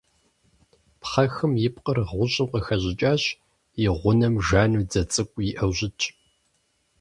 Пхъэхым и пкъыр гъущӏым къыхэщӏыкӏащ, и гъунэм жану дзэ цӏыкӏу иӏэу щытщ.